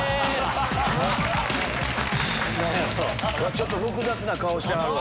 ちょっと複雑な顔してはるわ。